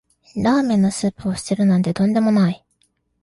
ラーメンのスープを捨てるなんてとんでもない